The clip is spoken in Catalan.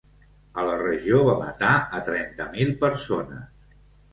A la regió va matar a trenta mil persones.